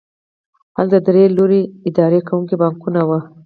هلته درې لوی اداره کوونکي بانکونه وو